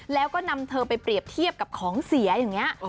แล้วก็นำเธอไปเปรียบเทียบกับของเสียอย่างนี้